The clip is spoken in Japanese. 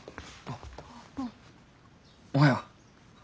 おはよう。